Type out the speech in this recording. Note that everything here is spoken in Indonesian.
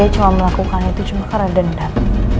dia cuma melakukan itu cuma karena denda